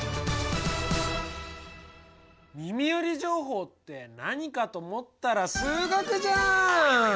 耳寄り情報って何かと思ったら数学じゃん！